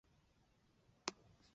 后来一同入读香港华仁书院。